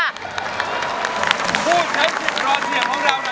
ผู้ใช้สิทธิ์รอเทียมของเรานะ